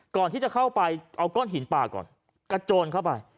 ก่อนที่จะเข้าไปเอาก้อนหินปลาก่อนกระโจนเข้าไป